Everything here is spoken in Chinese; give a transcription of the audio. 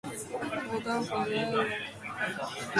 牢大回来了